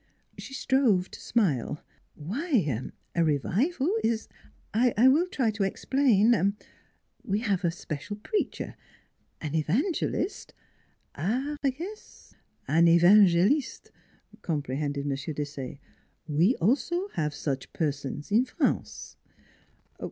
She strove to smile. " Why, a revival is I will try to explain we have a special preacher an evangelist " Ah, yes, an evangelhtef 'comprehended M. Desaye. " We also have such persons in France."